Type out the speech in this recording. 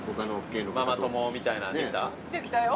できたよ。